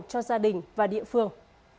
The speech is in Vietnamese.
cho gia đình và địa phương